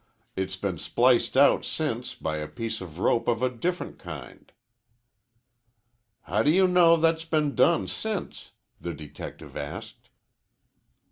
It's been spliced out since by a piece of rope of a different kind." "How do you know that's been done since?" the detective asked.